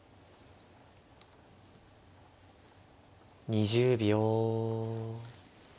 ２０秒。